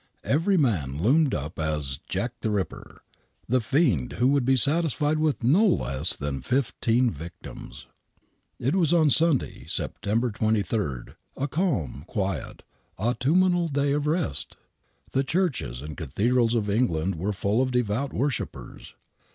Every man loomed up as " Jack, the Ripper," the fiend who would be satisfied with no less than fifteen victims. It was on Sunday. September 23 — a calm, quiet, autumnal day of rest. The churches and cathedrals of England were full of devout worshippers.